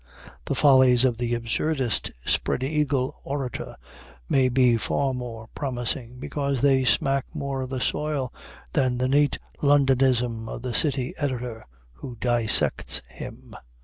The follies of the absurdest spread eagle orator may be far more promising, because they smack more of the soil, than the neat Londonism of the city editor who dissects him.